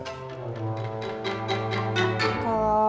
kalau gak boleh gak apa apa